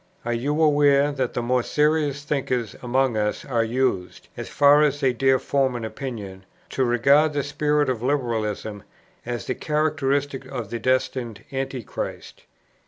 "Are you aware that the more serious thinkers among us are used, as far as they dare form an opinion, to regard the spirit of Liberalism as the characteristic of the destined Antichrist?